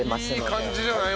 いい感じじゃない？